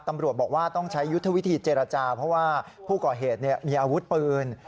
ตำรวจบอกว่าต้องใช้ยุทธวิธีเจรจาเพราะว่าผู้ก่อเหตุมีอาวุธปืน